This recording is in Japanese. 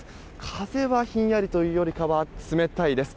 風は、ひんやりというよりかは冷たいです。